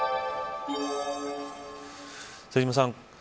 瀬島さん。